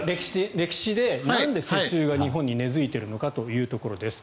歴史で、なんで世襲が日本に根付いているのかということです。